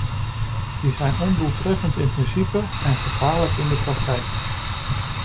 Die zijn ondoeltreffend in principe en gevaarlijk in de praktijk.